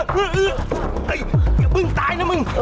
เฮ้ยมึงตายนะมึง